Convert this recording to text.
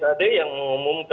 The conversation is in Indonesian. jadi saya nggak tahu apa apa